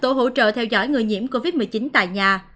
thành phố lập tổ hỗ trợ theo dõi người nhiễm covid một mươi chín tại nhà